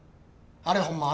あれほんま